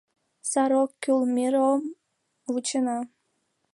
— Сар ок кӱл, мирым вучена!